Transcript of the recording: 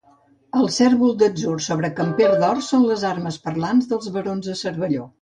El cérvol d'atzur sobre camper d'or són les armes parlants dels barons de Cervelló.